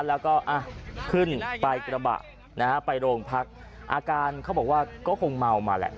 แล้วก็ขึ้นไปกระบะนะฮะไปโรงพักอาการเขาบอกว่าก็คงเมามาแหละ